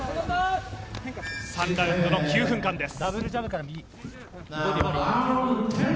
３ラウンドの９分間です。